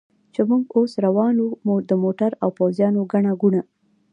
چې موږ اوس روان و، د موټرو او پوځیانو ګڼه ګوڼه.